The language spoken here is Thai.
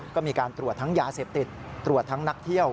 ก็มีการตรวจทั้งยาเสพติดตรวจทั้งนักเที่ยว